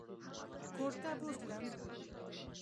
کورته بوتلم.